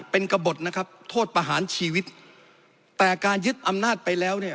เป็นกระบดนะครับโทษประหารชีวิตแต่การยึดอำนาจไปแล้วเนี่ย